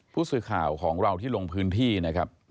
ผู้สื่อข่าวของเราที่ลงพื้นที่นะครับ